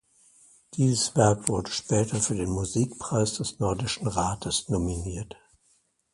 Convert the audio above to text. Dieses Werk wurde später für den Musikpreis des Nordischen Rates nominiert.